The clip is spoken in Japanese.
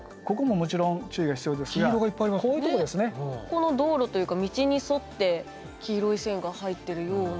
この道路というか道に沿って黄色い線が入ってるような。